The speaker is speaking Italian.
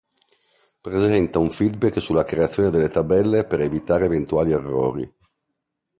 Presenta un feedback sulla creazione delle tabelle per evitare eventuali errori.